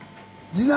次男！